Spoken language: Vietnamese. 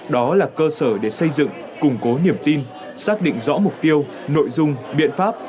đó là cơ sở để xây dựng củng cố niềm tin xác định rõ mục tiêu nội dung biện pháp